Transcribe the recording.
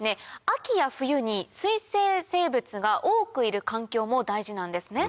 秋や冬に水生生物が多くいる環境も大事なんですね。